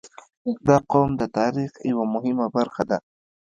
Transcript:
• دا قوم د تاریخ یوه مهمه برخه ده.